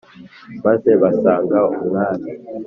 maze basanga umwami